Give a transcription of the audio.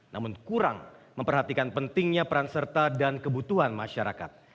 namun kurang memperhatikan pentingnya peran serta dan kebutuhan masyarakat